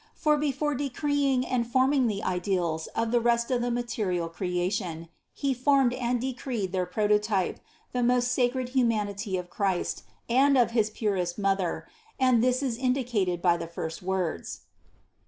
For before decreeing or forming the ideals of the rest of the material creation, He formed and de creed their prototype, the most sacred humanity of Christ and of his purest Mother, and this is indicated by the first words.